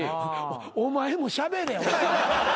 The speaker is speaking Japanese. お前もしゃべれ！